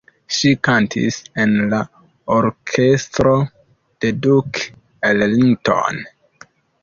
Ŝi kantis en la orkestro de Duke Ellington.